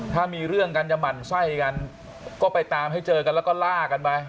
ถ้ามีเรื่องกันจะหมั่นไส้กันก็ไปตามให้เจอกันแล้วก็ล่ากันไป